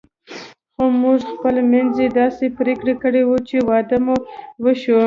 خو موږ خپل منځي داسې پرېکړه کړې وه چې واده مو شوی.